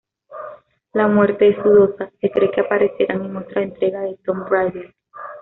La muerte es dudosa, se cree que aparecerán en otra entrega de Tomb Raider.